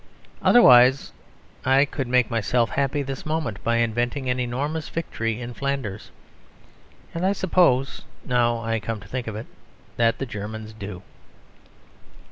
Otherwise I could make myself happy this moment, by inventing an enormous victory in Flanders. And I suppose (now I come to think of it) that the Germans do.